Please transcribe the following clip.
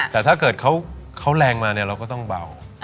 แต่ถ้าเกิดเขาแรงมาเนี่ยเราก็ต้องเบา